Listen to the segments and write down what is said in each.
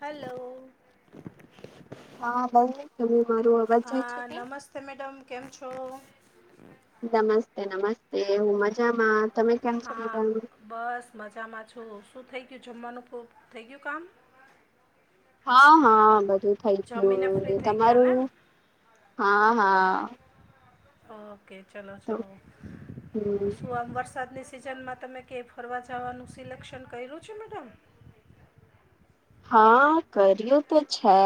Hello. હા બસ તમે મારું અવાજ જાય છે. હા કે નમસ્તે મેડમ કેમ છો. નમસ્તે નમસ્તે હું મજામાં તમે કેમ છો હા મજામાં. બસ મજામાં છું શું થઈ ગયું જમવાનું ખૂબ થઈ ગયું કામ. હા હા બધું થઈ જમીને ગયું ફ્રી થઈ ગયા ને તમારું હા હા. ઓકે ચલો ચલો તો શું હમ આમ વરસાદની. સિઝનમાં તમે કે ફરવા જવાનું સિલેક્શન કર્યું છે મેડમ. હા કર્યું તો છે.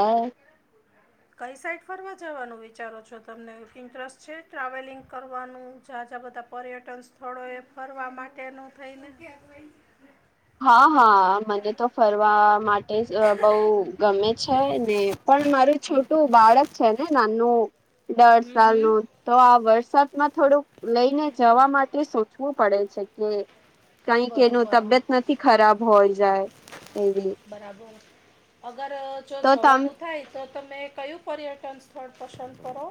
કઈ સાઈટ ફરવા જવાનું વિચારો છો તમને ઇન્ટરેસ્ટ છે ટ્રાવેલિંગ કરવાનું જં જ્યાં બધા. પર્યટન સ્થળો એ ફરવા માટેનું થઈને આપ વને. હા હા મને તો ફરવા માટેજ અ બહુ ગમે છે. કઈ નહિ, પણ મારું છોટું બાળક છે ને નાનું દસ હમ હમ સાલનું તો આ વરસાદમાં થોડુંક લઈને જવા માટે સોચવું પડે છે કે કઈક એનું બરોબર હા તબિયત નથી ખરાબ હોય જાય એવી. બરાબર, અગર જો તો તમ જવાનું થાય તો તમે કયું પર્યટન સ્થળ પસંદ કરો?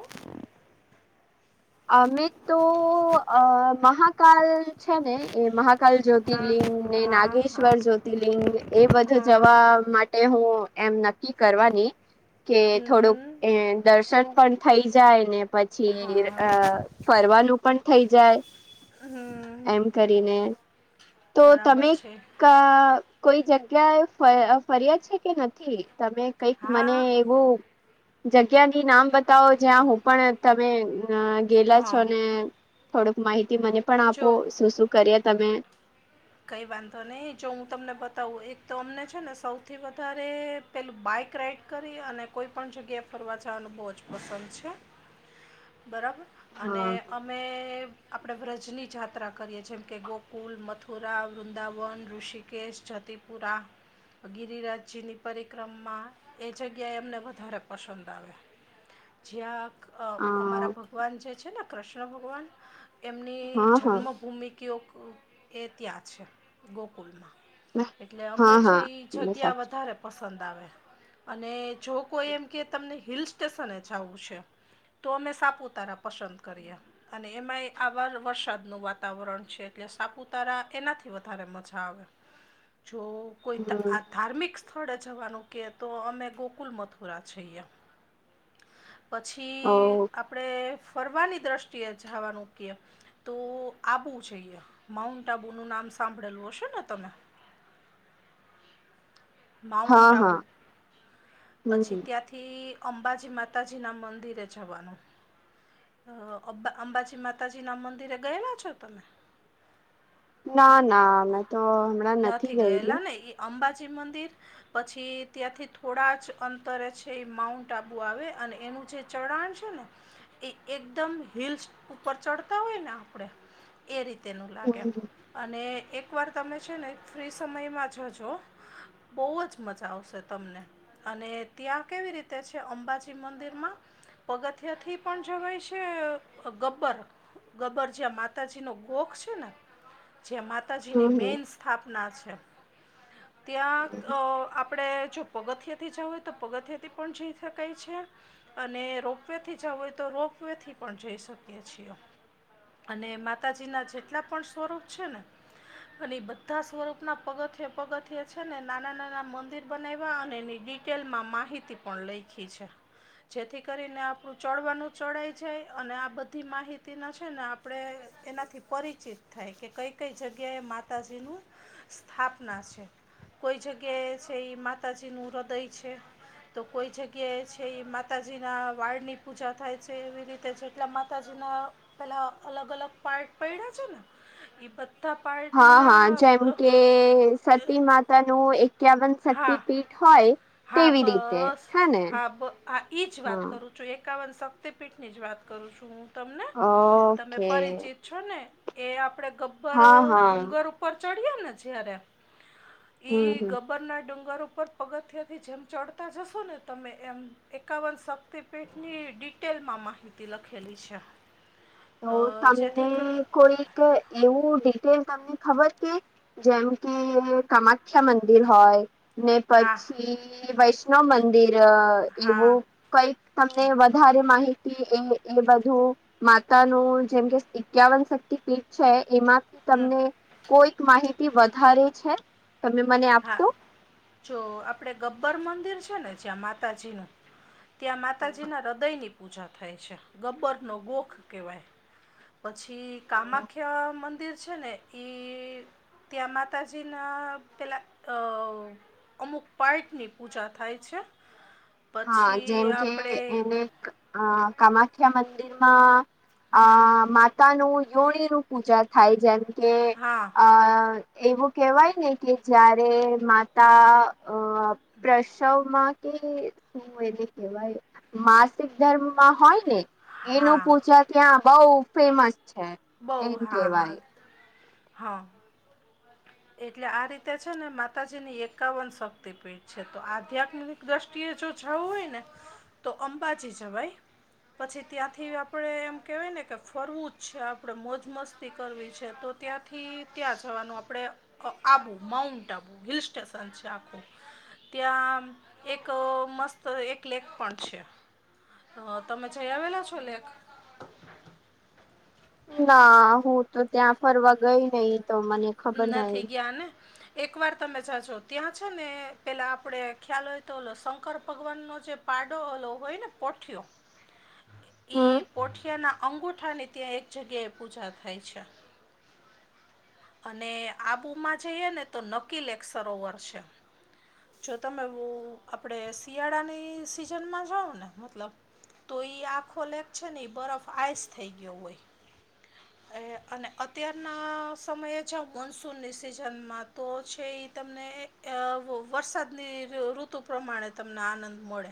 અમે તો અહ મહાકાલ છે ને એ મહા અકલ જ્યોતિર્લિંગ હા ને હા નાગેશ્વર હા જ્યોતિર્લિંગ એ બધું હા જવા માટે હું એમ નક્કી કરવાની કે હમ થોડુંક હમ. એ દર્શન પણ થઈ જાય ને પછી હા અહ, ફરવાનું પણ થઈ જાય હમ્મ એમ કરીને તો તમે છે કા, કોઈ જગ્યાએ ફય, અહ, ફર્યા છે કે નથી તમે? કઈક મને હા એવું જગ્યાની નામ બતાવો જ્યાં હું પણ તમે અહ, ગેલા હા છો ને થોડોક માહિતી મને પણ આપો જો શું શું કરીએ તમે કંઈ વાંધો નહીં જો હું તમને બતાવું એક તો અમને છે ને સૌથી વધારે પેલું બાઈક રાઈડ કરી અને કોઈ પણ જગ્યાએ ફરવા જવાનું બોવ જ પસંદ છે. બરાબર અને હા. અમે આપણે વ્રજની જાત્રા કરીએ જેમ કે ગોકુલ મથુ રા, વૃંદાવન, ઋષિકેશ, જતિપુરા ગિરિરાજજીની પરિક્રમમાં એ જગ્યાએ અમને વધારે પસંદ આવે. જ્યાં અહ, અ અમારા ભગવાન જે છે ને કૃષ્ણ ભગવાન એમની હા હા જન્મભૂમિ કયો ક એ ત્યાં છે ગોકુલમાં એટલે હા અમને છે હા ઈ એ જગ્યા સાચું વધારે પસંદ આવે. અને જો કોઈ એમ કે તમને હિલ સ્ટેશને જાવું છે તો અમે સાપુતારા પસંદ કરીએ. અને એમાંય આ વાર વરસાદનું વાતાવરણ છે એટલે સાપુ તારા એનાથી વધારે મજા આવે જો કોઈ હમ આ ધાર્મિક સ્થ સ્થળે જવાનું કે તો અમે ગોકુલ મથુરા જઈએ. ઓ પછી આ પણે ફરવાની દ્રષ્ટિએ જાવાનું કે તો આબુ જઈએ માઉન્ટ આબુનું નામ સાંભળેલું હશે ને તમે. હા માઉન્ટ હા આબુ, પછી હમ ત્યાં થી અંબાજી માતાજીના મંદિરે જવાનું. અહ, અબા, અંબાજી માતાજીના મંદિરે ગયેલા છો તમે? ના ના મેં તો હમણાં નથી ગયેલી. ગયેલા ને એ અંબાજી મંદિર પછી ત્યાંથી થોડા જ અંતરે છે ઈ માઉન્ટ આબુ આવે અને એનું જે ચઢાણ છે ને એ એકદમ હિલ્સ ઉપર ચડતા હોય ને આપણે એ રીતેનું લાગે હમ અને એકવાર તમે છે ને ફ્રી સમયમાં જજો બોવ જ મજા આવશે તમને અને ત્યાં કેવી રીતે છે અંબાજી મંદિરમાં પગથિયાથી પણ જવાય છે, અહ, ગબર ગબર જ્યાં માતાજી નો ગોખ છે ને જ્યા માત તાજીની હમ મેઇન સ્થાપના છે, ત્યા તો આપણે જો પગથિયાથી જવું હોય તો પગથયાથી પણ જઈ શકાય છે. અને રોપવેેથી જવું હોય તો રોપવેથી પણ જઈ શકીએ છીએ. અને માતાજી ના જેટલા પણ સ્વરૂપ છે ને અને ઈ બધા સ્વરૂપના પગથીયે-પગથીયે છે ને નાના-નાના મંદિર બનાયવા અને એની ડિટેલમાં માહિતી પણ લયખી છે. જેથી કરીને આપણું ચડવાનું ચઢાય જાય અને આ બધી માહિતીના છે ને આપ પણે એનાથી પરિચિત થાય કે કંઈ-કંઈ જગ્યાએ માતાજીનું સ્થાપના છે. કોઈ જગ્યાએ છે ઈ માતાજી નું હ્દય છે. તો કોઈ જગ્યાએ છે ઈ માતાજી ના વાળની પૂજા થાય છે એવી રીતે છે. એટલા માતાજીનાં પેલાં અલગ-અલગ પાર્ટ પયડા છે ને ઈ બધ હા, હા. જેમ કે સતી માતા નું એક ક્યાવન શક્તિ હા પીઠ હોય હા તેવી રીતે બસ. હે ને હા બ ઈ જ વાત હા. કરું. જો એકાવન શક્તિપીઠ ની જ વાત કરું છું હું તમને. તમે ઓકે પરિચિત છો ને એ આપડે ગબ્બર હા હા ડુંગર ઉપર ચડીએ ને જયારે હમ ઈ હમ ગબરના ડુંગર ઉપર પગથિયે ઇ જેમ ચડતા જશો ને તમે એમ એકાવન શક્તિ પીઠની ડીટ ટેલમાં માહિતી લખેલી છે. તો અ, તમને જેથી ક- કોઈ કે એવું ડિટેલ તમને ખબર કે જેમ કે કમાત મુખ્યા મંદિર હોય, ને હા પછી વૈષ્ણવ મંદિર એવું હા કંઈક તમને વધારે માહિતી એ-એ બધું તાનું જેમ કે એકાવન શક્તિ પીઠ છે એમાંથી હમ તમને કોઈક માહિતી વધારે છે? તમે મને હા આપશો? જો આપણે ગબ્બર મંદિર છે ને જ્યાં માતાજીનું, ત્યાં હમ માતાજીના હૃદયની પૂજા થાય છે. ગબ્બર નો ગોખ કહેવાય. પછી કામાખ્યા મંદિર છે ને કે ત્યાં માતાજીના પહેલાં અહ અમુક પાર્ટની પૂજા થાય છે. પછી આપણે હા કમાખ્યા મંદિરમાં હમ, અહ મા તાનું યોળીનું પૂજા થાય જેમ કે હા અહ એવું કહેવાય ને કે જયારે માતા અહ પ્રસવમાં કે શું એને કહેવાઈ માસિક ધર્મમાં હોય ને એનું હા પૂજા ત્યાં બઉ ફેમસ છે એમ બહું, હા, હા, કેવાય હા. એટલે આ રીતે છે ને માતાજીની એકાવન શક્તિપીઠ છે. તો આધ્યાત્મિક દ્રષ્ટિએ જો જવું હોય ને તો અંબાજી જવાઈ. પછી ત્યાંથી આપણે એમ કહેવાય ને કે ફરવું જ છે, આપણે મોજ મસ્તી કરવી છે તો ત્યાંથી ત્યાં જવાનું આપણે અ Abu, mount Abu hill station છે આખું. ત્યાં એક મસ્ત એક લેક પણ છે. અ તમે જઈ આવેલા છો લેક? ના હું તો ત્યાં ફરવા ગઈ નહીં તો મને ખબર નથી નહિ ગયા ને. એકવાર તમે જાજો, ત્યાં છે ને પેલાં આપણે ખ્યાલ હોય તો ઓલો શંકર ભગવાનનો જે પાડો ઓલો હોયને પોઠ્યો હમ ઈ પોઠિયા ના અંગુઠા ની ત્યાં એક જગ્યા એ પૂજા થાય છે. અને આબુ માં જઈએ ને તો નકી લેક સરોવર છે. જો તમે હું આપડે શિયાળાની સિઝનમાં જાઓ ને મતલબ તો ઈ આખો લેક છે ને બરફ આઈસ થઈ ગયો હોય. અને અને અત્યારના સમયે છે મોનસૂનની સિઝનમાં તો છે એ તમને અહ વો વરસાદ ની ઋ-ઋતુ પ્રમાણે તમને આનંદ મળે.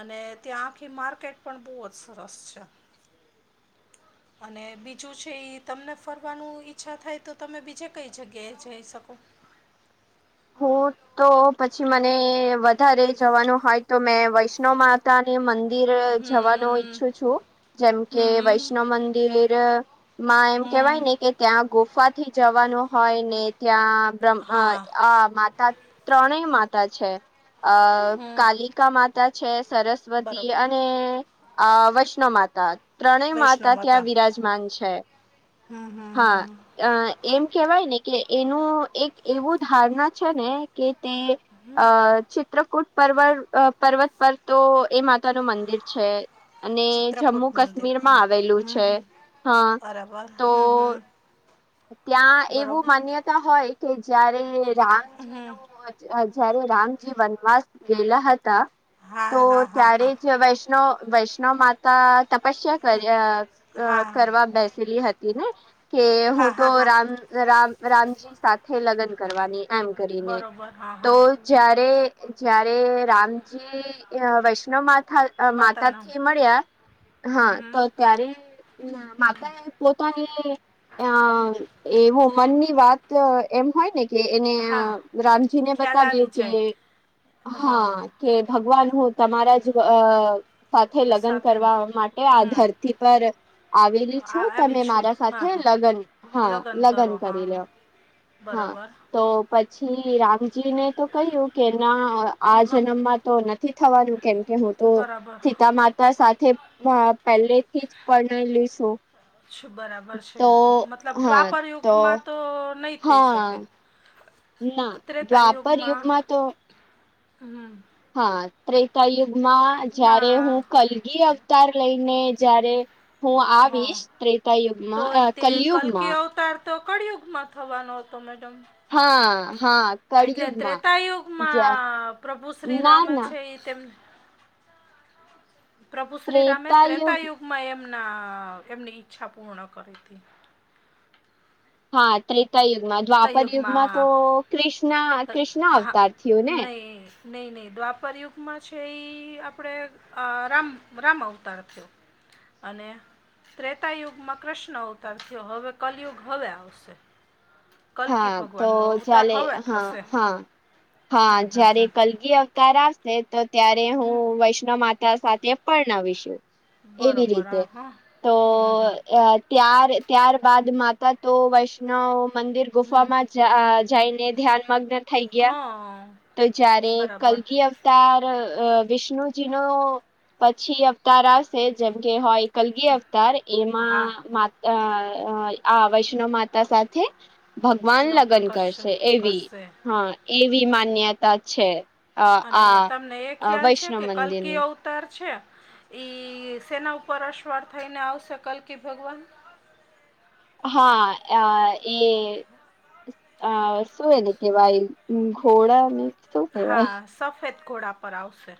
અને ત્યાં આખી માર્કેટ પણ બહુ જ સરસ છે. અને બીજું છે ઈ તમને ફરવાનું ઈચ્છા થાય તો તમે બીજે કઈ જગ્યાએ જઈ શકો. હું તો પછી મને વધારે જવાનું હોય તો મેં વૈષ્ણમાં નતા ને મંદિર જવાનું હમ ઈચ્છું છું જેમ કે હમ વૈષ્ણવ મંદિર માં એમ કેવાય હમ ને કે ત્યાં ગુફાથી જવાનું હોય ને ત્યાં બ્ર્મ અહ હા આ માતા ત્રણેય માતા છે અહ હમ કાલી કા માતા છે સરસ્વતી બરોબર અને આ વૈષ્ણવ માતા ત્રણેય વૈષ્ણવ માતા ત્યાં વિરાજમાન છે. હા હા હા હા. એમ કેવાય ને કે એનું એક એવું ધારણા છે ને કે તે અહ ચિત્રકૂટ પર્વ પર્વત પર તો એમાં પોતા નું મંદિર છે અને જમ્મુ ચિત્રકૂટ મંદિર કાશ્મીરમાં હા આવેલું હમ છે. હમ. હા, બરાબર તો હમ હમ ત્યાં એવું બરોબર માન્યતા હોય કે જયારે રામજી નું અહ જયારે રામજી વનવાસ ગયેલા હતા તો હા હા હા ત્યારે હા જ વૈષ્ નો વૈષ્ણ માતા તપસ્યા કરી અહ અહ હા કરવા બેસેલી હતી ને કે હા હું તો હા હા રામ રામ રામજી સાથે લગ્ન કરવાની એમ કરીને બરોબર હા તો હા જ્યારે જ્યારે રામજી અહ વૈષ્ણવ માં ખ માતા માતાના થી મળ્યા હા હમ હમ તો ત્યારે ના માતા એ પોતાની અહ એવું મનની વાત અહ એમ હોય ને કે એને અહ હા રામજી ને ખ્યાલ આવી બતાવ્યું કે જાય હા કે ભગવાન હું તમારા જ અહ સાથે લગ્ન સાથે કરવા માટે આ હમ ધરતી પર આવેલી છું આ- આવી તમે છું મારા હા સાથે હા લગ્ન હા લગ્ન કરો હા કરી હા લેઓ. હા, બરાબર તો પછી રામજીને તો કહ્યું કે એના આ હા જન્મ માં તો નથી થવાનું કેમ કે હું તો બરાબર સીતામાં તે સાથે પહેલેથી જ પરણે લીશું શું બરાબર છે. મતલબ દ્વાપરયોગમાં તો નહી થઈ હા શકે ના ત્રેતા દ્વાપર યુગમાં તો હમ્મ. હા, ત્રેતા યુગમાં જયારે માં હું કલગી અવ તાર લઈને જયારે હું હા આવીશ ત્રેતાયુગમાં તોય અહ તે કલકી કલયુગમાં અવતાર તો કળ યુગમાં થવાનો હતો મેડમ હા, હા. એટલે કળિયુગમાં જ ત્રેતાયુગમાં પ્રભુ ના શ્રીરામે ના છે, એ તેમ પ્રભુ શ્રી રામે ત્રેતા યુગ ત્રેતાયુગમાં એમના એમની ઈચ્છા પૂર્ણ કરી હતી. હા, ત્રેતાયુગમાં, દ્વાપરયુગમાં તો ત્રેતાયુગમાં ક્રષ્ણ ક્રષ્ણ અ હા આવતાર થયો ને. નહીં નહીં, નહીં દ્વાપર યુગમાં છે, એ આપણે રામ રામ અવતાર થયો. અને ત્રેતાયુગમાં કૃષ્ણ અવતાર થયો, હવે કલયુગ હવે આવશે. કલકી હા, તો ભગવાનનો અવતાર ચાલે, હવે હા, થશે હા. હા, હમ હમ હમ જયારે કલગી અવત આવશે, તો ત્યારે હું વૈષ્ણ માતા સાથે પણણ વિશું એવી બરોબર રીતે હા હા તો હમ હમ તાર ત્યાર બાદ માતા તો વૈષ્ણવ મંદિર ગુફામાં જઈને ધ્યાનમાંગ [unintelligible] તો જયારે બરાબર કલકી તાર વિષ્ણુજી ને, પછી અવતારશે, જેમ કે હોય. કલગી અવતાર હા એમાં. અ આ વૈષ્ણવ માતા સાથે ભગવાન લગ્ન કરશે, એવી હા, એવી માન્યતા છે. અ અને તમને એ આ ખ્યાલ છે કે, વૈષ્ણવ કલકી મંદિરનું તાર છે, ઈ સેના ઉપર અસવાળ થઈને આવશે, કલકી ભગવાન. હા, અ એ આ શું એને કેવાય, ઘોડા અને હા, સફેદ ઘોડા પર આવશે,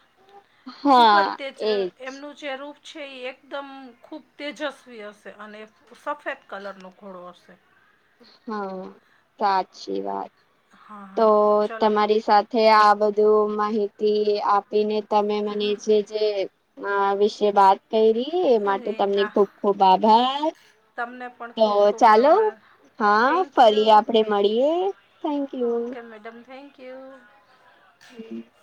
ખૂબ હા જ તેજ એજ એમનું જે રૂપ છે, એ એકદમ ખૂબ તેજસ્વી હશે, અને સફેદ કલરનો ઘોડો હશે. હા, સાચી વાત હા તો, હા ચલો તમારી સાથે તે આ બધું માહિતી આપીને, તમે મને જે જે વિશે વાત કરી એ, માટે તમને ખુબ ખુબ આભાર. તમને પણ તો ખૂબ ખૂબ ચાલો આભાર. હા થેન્ક ફરી યુ, આપડે મળીએ thank you okay madam, thank you. [unintelligible]